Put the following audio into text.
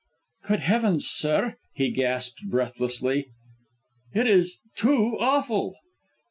"Good heavens, sir," he gasped breathlessly, "it is too awful!"